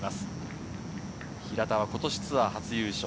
平田はことしツアー初優勝。